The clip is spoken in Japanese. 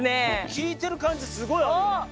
効いてる感じすごいあるよ。